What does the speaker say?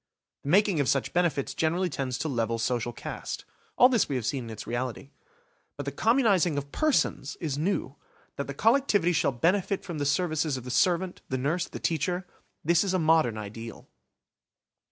The making of such benefits generally tends to level social caste. All this we have seen in its reality. But the communising of persons is new. That the collectivity shall benefit from the services of the servant, the nurse, the teacher–this is a modern ideal.